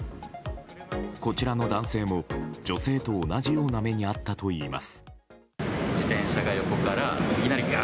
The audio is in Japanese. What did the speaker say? こちらの男性も女性と同じような目に遭ったといいます。